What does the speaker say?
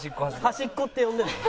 端っこって呼んでるの？